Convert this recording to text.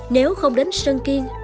nếu không đến sơn kiên